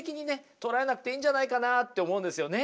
捉えなくていいんじゃないかなって思うんですよね。